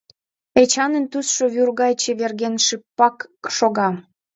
Эчанын тӱсшӧ вӱр гай чеверген, шыпак шога.